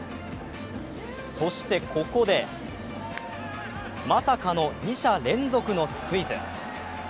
そしてここでまさかの２者連続のスクイズ。